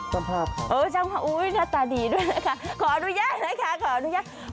สภาพค่ะน่าตาดีด้วยนะคะขออนุญาตนะคะ